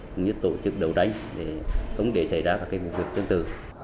cũng như tổ chức đầu đánh để không để xảy ra các cái vụ việc tương tự